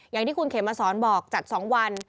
อย่างที่คุณเขมมาสอนบอกจัด๒วัน